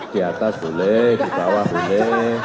di atas boleh di bawah boleh